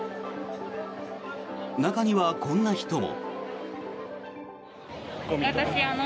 中には、こんな人も。